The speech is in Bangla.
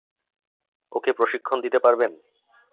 ওকে প্রশিক্ষণ দিতে পারবেন?